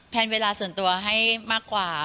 แนนเวลาส่วนตัวให้มากกว่า